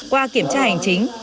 qua kiểm tra hành chính